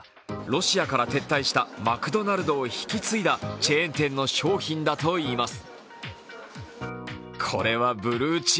ロシアから撤退したマクドナルドを引き継いだチェーン店の商品だといいます。